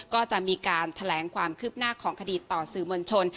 ก็จะมีการแถลงความคืบหน้าของคดีต่อสื่อมวลชน